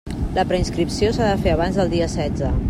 La preinscripció s'ha de fer abans del dia setze.